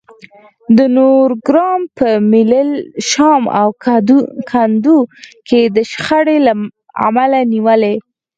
د نورګرام په ملیل، شام او کندو کې د شخړې له امله نیولي